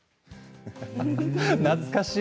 懐かしい。